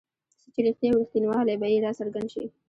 څه چې رښتیا وي رښتینوالی به یې راڅرګند شي.